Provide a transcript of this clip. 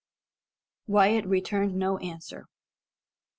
Wyat returned no answer.